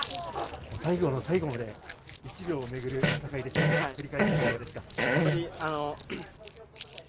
最後の最後まで１秒をめぐる戦いですが、振り返っていかがですか？